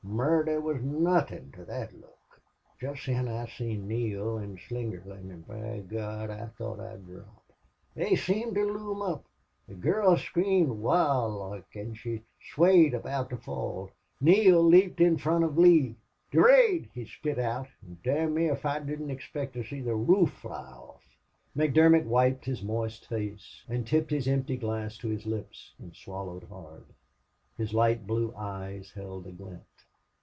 Murder was nothin' to thot look. "Jist thin I seen Neale an' Slingerland, an', by Gawd! I thought I'd drop. They seemed to loom up. The girl screamed wild loike an' she swayed about to fall. Neale leaped in front of Lee. "'Durade!' he spit out, an' dom' me if I didn't expect to see the roof fly off." McDermott wiped his moist face and tipped his empty glass to his lips, and swallowed hard. His light blue eyes held a glint.